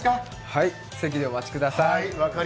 はい、席でお待ちください。